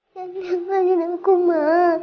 jangan tinggalin aku ma